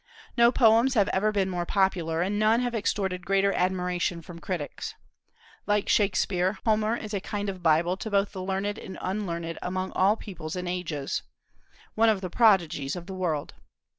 No poems have ever been more popular, and none have extorted greater admiration from critics. Like Shakspeare, Homer is a kind of Bible to both the learned and unlearned among all peoples and ages, one of the prodigies of the world.